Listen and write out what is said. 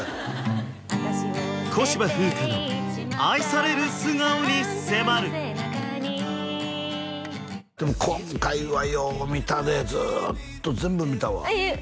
小芝風花の愛される素顔に迫るでも今回はよう見たでずっと全部見たわええっ！